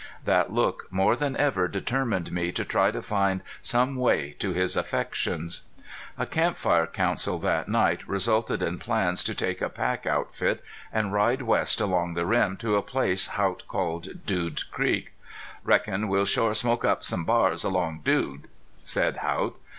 That look more than ever determined me to try to find some way to his affections. A camp fire council that night resulted in plans to take a pack outfit, and ride west along the rim to a place Haught called Dude Creek. "Reckon we'll shore smoke up some bars along Dude," said Haught.